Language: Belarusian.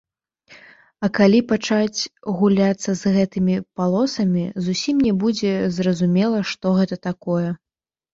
А калі пачаць гуляцца з гэтымі палосамі, зусім не будзе зразумела, што гэта такое.